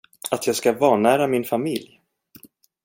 Att jag ska vanära min familj?